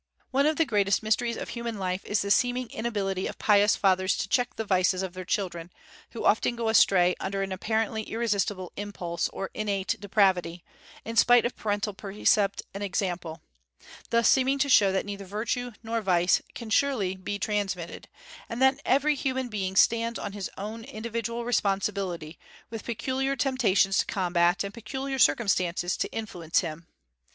One of the greatest mysteries of human life is the seeming inability of pious fathers to check the vices of their children, who often go astray under an apparently irresistible impulse or innate depravity, in spite of parental precept and example, thus seeming to show that neither virtue nor vice can be surely transmitted, and that every human being stands on his individual responsibility, with peculiar temptations to combat, and peculiar circumstances to influence him.